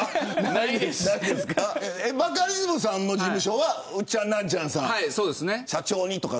バカリズムさんの事務所はウッチャンナンチャンさん社長にとか。